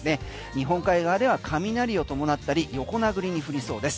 日本海側では雷を伴ったり横殴りに降りそうです。